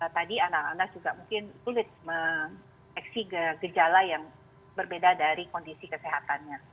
tadi anak anak juga mungkin sulit mengeksi gejala yang berbeda dari kondisi kesehatannya